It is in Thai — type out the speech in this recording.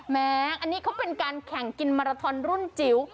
อันนี้เขาเป็นการแข่งกินมาราทอนรุ่นจิ๋ว